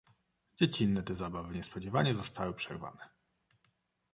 "Dziecinne te zabawy niespodzianie zostały przerwane."